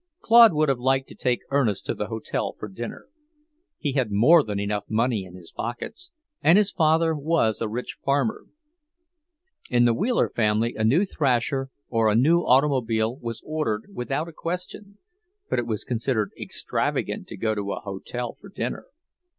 Claude would have liked to take Ernest to the hotel for dinner. He had more than enough money in his pockets; and his father was a rich farmer. In the Wheeler family a new thrasher or a new automobile was ordered without a question, but it was considered extravagant to go to a hotel for dinner.